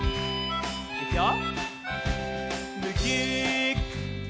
いくよ。